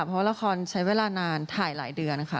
เพราะว่าละครใช้เวลานานถ่ายหลายเดือนค่ะ